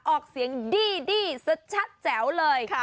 ออกเสียงดีชัดแจ๋วเลย